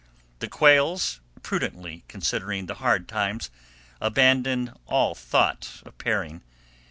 The quails, prudently considering the hard times, abandoned all thought of pairing.